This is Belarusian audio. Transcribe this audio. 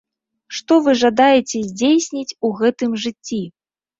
Што вы жадаеце здзейсніць у гэтым жыцці?